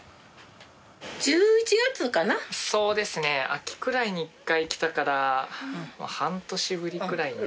秋くらいに１回来たから半年ぶりくらいに。